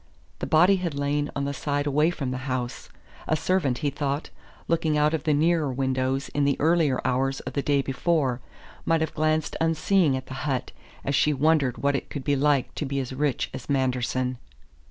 The body had lain on the side away from the house; a servant, he thought, looking out of the nearer windows in the earlier hours of the day before, might have glanced unseeing at the hut, as she wondered what it could be like to be as rich as Manderson.